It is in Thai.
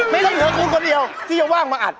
ไม่ใช่เธอครูคนเดียวที่ยังว่างมาอัด